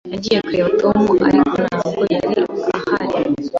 Nagiye kureba Tom, ariko ntabwo yari ahari.